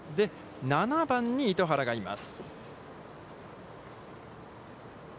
７番に糸原がいます。